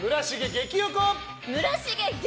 村重、激